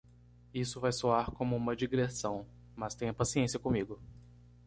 Isso vai soar como uma digressão?, mas tenha paciência comigo.